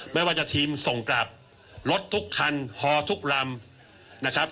ไม่ว่าจะทีมส่งกลับรถทุกคันฮอทุกลำนะครับ